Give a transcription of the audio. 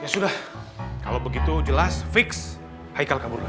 ya sudah kalau begitu jelas fix haikal kabur lagi